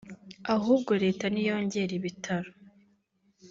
ahubwo Leta niyongere ibitaro